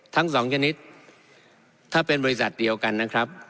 ทั้งสองชนิดถ้าเป็นบริษัทเดียวกันนะครับ